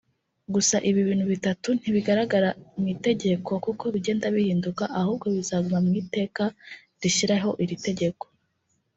Gusa ibi bintu bitatu ntibigaragaramu itegeko kuko bigenda bihinduka ahubwo bizaguma mu iteka rishyiraho iri tegeko